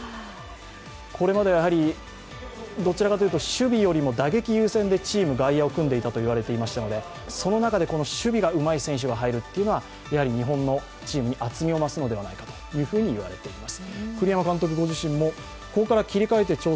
これまでどちらかというと守備よりも打撃優先でチーム外野を組んでいたと言われていましたので、その中で守備がうまい選手が入るっていうのは日本のチームに厚みが増すのではないかといわれています。